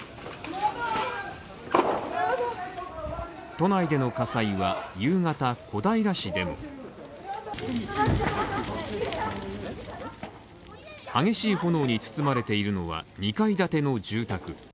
都内での火災は、夕方小平市でも激しい炎に包まれているのは、２階建ての住宅。